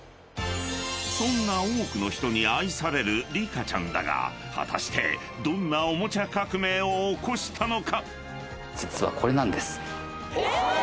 ［そんな多くの人に愛されるリカちゃんだが果たしてどんなおもちゃ革命を起こしたのか？］